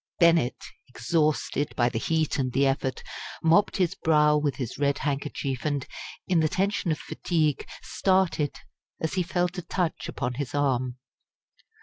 Bennett, exhausted by the heat and the effort, mopped his brow with his red handkerchief, and, in the tension of fatigue, started as he felt a touch upon his arm.